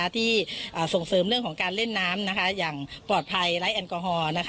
ที่ส่งเสริมเรื่องของการเล่นน้ำอย่างปลอดภัยไร้แอลกอฮอล์